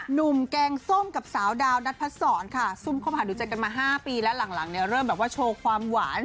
หนุ่มแกงส้มกับสาวดาวนัดพสรคำความหาดูจากกันมาห้าปีแล้วหลังเนี่ยเริ่มแบบว่าโชความหวาน